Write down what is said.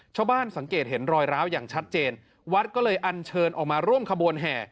ชาวบ้านสังเกตเห็นรอยร้าวอย่างชัดเจนวัดก็เลยอันเชิญออกมาร่วมขบวนแห่